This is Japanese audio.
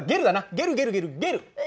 ゲルゲルゲルゲル。え！